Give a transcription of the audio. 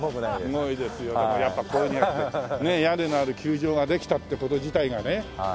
すごいですよやっぱこういう屋根のある球場ができたって事自体がね。